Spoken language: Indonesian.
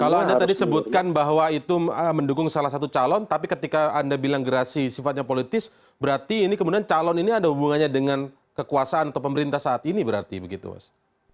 kalau anda tadi sebutkan bahwa itu mendukung salah satu calon tapi ketika anda bilang gerasi sifatnya politis berarti ini kemudian calon ini ada hubungannya dengan kekuasaan atau pemerintah saat ini berarti begitu mas